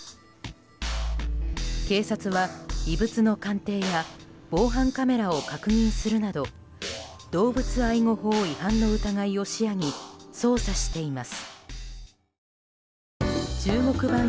警察は異物の鑑定や防犯カメラを確認するなど動物愛護法違反の疑いを視野に捜査しています。